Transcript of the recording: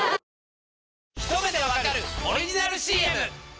『ひと目でわかる‼』オリジナルＣＭ！